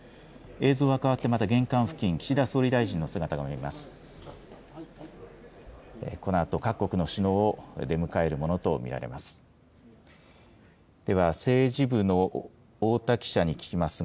映像は変わってまた玄関付近、岸田総理大臣の姿が見えます。